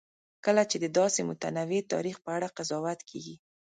کله چې د داسې متنوع تاریخ په اړه قضاوت کېږي.